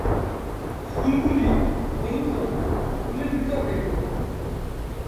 ফুলগুলি হলুদ রঙের, ফুলের ভেতর বেগুনি।